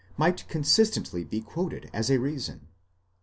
might consistently be quoted as a reason."